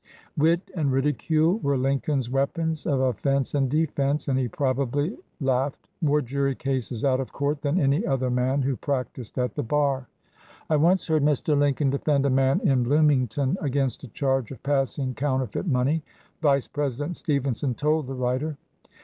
Wit and ridicule were Lincoln's weapons of offense and defense, and he probably laughed more jury cases out of court than any other man who practised at the bar. "I once heard Mr. Lincoln defend a man in Bloomington against a charge of passing coun terfeit money," Vice President Stevenson told the writer.